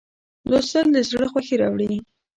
لوستل د زړه خوښي راوړي.